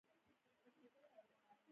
سړي ورغږ کړ.